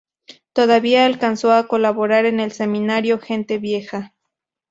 Todavía alcanzó a colaborar en el semanario "Gente Vieja".